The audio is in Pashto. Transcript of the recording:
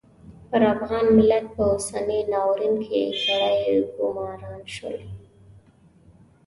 پر افغان ملت په اوسني ناورین کې کړۍ ګومارل شوې.